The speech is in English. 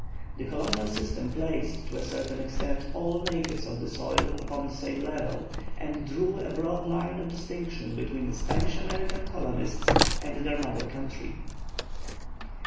The colonial system placed, to a certain extent, all natives of the soil upon the same level, and drew a broad line of distinction between the Spanish American colonists and their mother country.